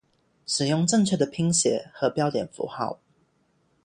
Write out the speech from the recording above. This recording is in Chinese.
使用正确的拼写和标点符号